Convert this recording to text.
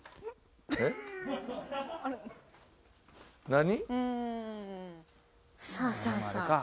何？